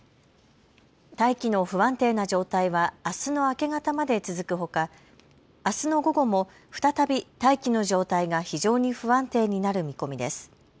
大気の不安定な状態はあすの明け方まで続くほかあすの午後も再び大気の状態が非常に不安定になる見込みです。